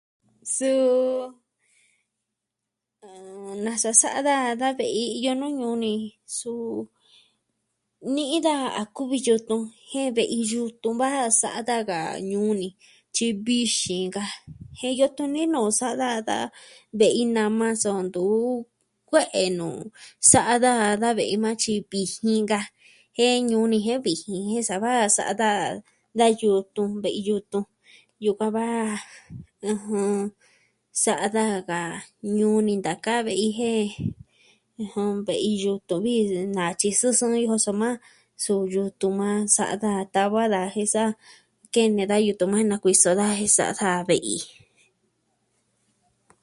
Suu, ah... nasa sa'a daa da ve'i iyo nuu ñuu ni, ni'i daja a kuvi yutun jin ve'i yutun va ja a sa'a ka ñuu ni tyi vixin ka. Jen yatu ni nuu sa'a daa ka ve'i nama sa ntuu kue'e nuu. Sa'a daa da ve'i maa tyi vijin ka. Jen ñuu ni jen vijin jen sava sa'a daa, da yutun, ve'i yutun, yukuan va... ɨjɨn... sa'a daa ka ñuu ni ntaka ve'i jen... ɨjɨn, ve'i yutun vi, natyiso sɨɨ ka soma su yutun maa sa'a daa tava daa jen sa kene da yutun maa nakuiso daa je sa'a daa ve'i.